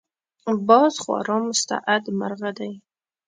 باز خورا مستعد مرغه دی